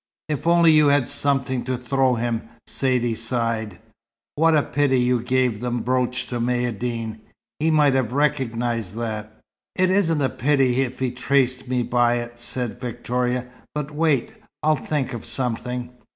"If only you had something to throw him!" Saidee sighed. "What a pity you gave the brooch to Maïeddine. He might have recognized that." "It isn't a pity if he traced me by it," said Victoria. "But wait. I'll think of something."